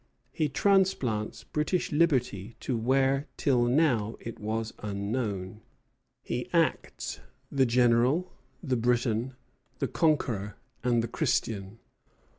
He transplants British liberty to where till now it was unknown. He acts the General, the Briton, the Conqueror, and the Christian.